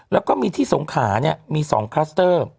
แล้วก็มีที่สงขาเนี่ยมี๒คลัสเตอร์